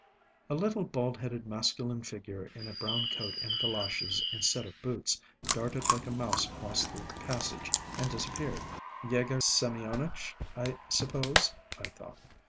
A little bald headed masculine figure in a brown coat and goloshes instead of boots darted like a mouse across the passage and disappeared. "Yegor Semyonitch, I suppose," I thought.